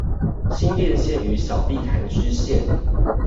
新店線和小碧潭支線